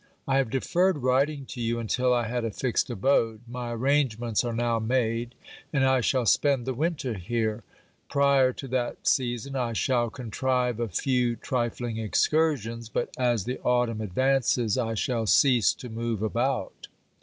I have deferred writing to you until I had a fixed abode; my arrangements are now made, and I shall spend the winter here. Prior to that season I shall contrive a few trifling excursions, but as the autumn advances I shall cease to move about.